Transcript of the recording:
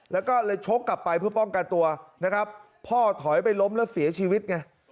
แล้วก็เลยชกกลับไปเพื่อป้องกันตัวนะครับพ่อถอยไปล้มแล้วเสียชีวิตไง